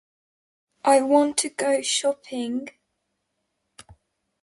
I want to go shopping.